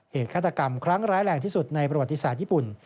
ฆาตกรรมครั้งร้ายแรงที่สุดในประวัติศาสตร์ญี่ปุ่น